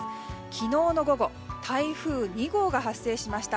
昨日の午後台風２号が発生しました。